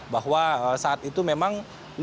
bahwa saat itu memang